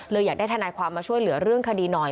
อยากได้ทนายความมาช่วยเหลือเรื่องคดีหน่อย